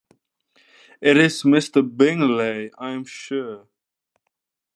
It is Mr. Bingley, I am sure!